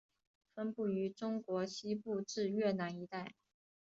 分布于中国西部至越南一带。